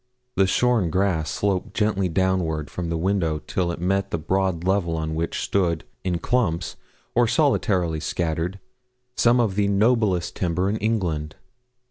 The shorn grass sloped gently downward from the windows till it met the broad level on which stood, in clumps, or solitarily scattered, some of the noblest timber in England.